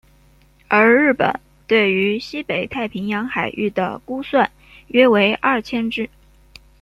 而日本对于西北太平洋海域的估算约为二千只。